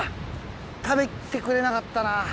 食べてくれなかったな。